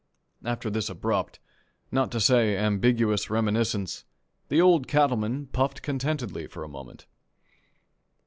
'" After this abrupt, not to say ambiguous reminiscence, the Old Cattleman puffed contentedly a moment.